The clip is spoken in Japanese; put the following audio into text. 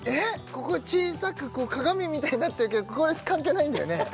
ここ小さく鏡みたいになってるけどこれ関係ないんだよね？